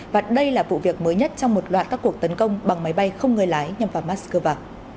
và đây là vụ việc mới nhất trong một loạt các cuộc tấn công bằng máy bay không người lái nhằm vào mắc skơ va